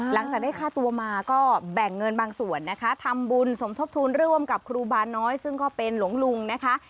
หลังจากได้ค่าตัวมาก็แบ่งเงินบางส่วนนะคะทำบุญสมทบทุนร่วมกับครูบาน้อยซึ่งก็เป็นหลวงลุงนะคะ